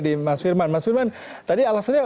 di mas firman mas firman tadi alasannya